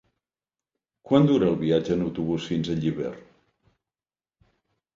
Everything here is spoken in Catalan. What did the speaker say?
Quant dura el viatge en autobús fins a Llíber?